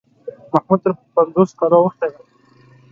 محمود تر پنځوسو کالو اوښتی دی.